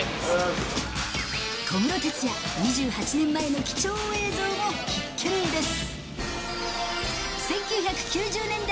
小室哲哉、２８年前の貴重映像も必見です。